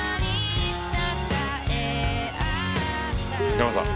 ヤマさん。